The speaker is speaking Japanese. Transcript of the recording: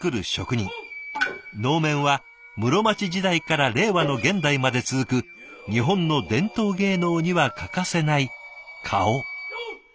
能面は室町時代から令和の現代まで続く日本の伝統芸能には欠かせない顔。